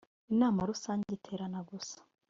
Inama Rusange iterana gusa